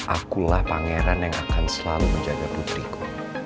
akulah pangeran yang akan selalu menjaga putriku